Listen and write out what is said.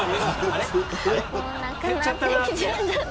もうなくなってきちゃった。